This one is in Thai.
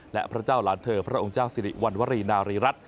และพระเจ้าหลานเธอพระองค์เจ้าสิริวัณวรีนารีรัฐ